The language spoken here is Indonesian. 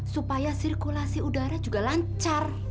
supaya sirkulasi udara juga lancar